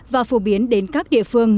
và phổ biến đến các địa phương